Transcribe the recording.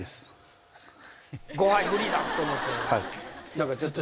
「５杯無理だ」と思って。